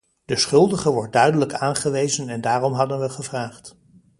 De schuldige wordt duidelijk aangewezen en daarom hadden we gevraagd.